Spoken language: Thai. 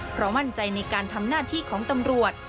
เพราะมั่นใจในการทำหน้าที่ของตำรวจ